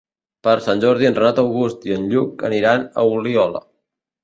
Per Sant Jordi en Renat August i en Lluc aniran a Oliola.